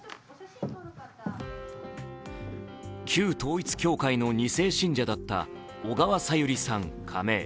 旧統一教会の２世信者だった小川さゆりさん。